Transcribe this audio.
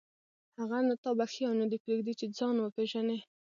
هغه نه تا بخښي او نه دې پرېږدي چې ځان وپېژنې.